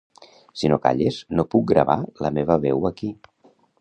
Si no calles no puc gravar la meva veu aquí.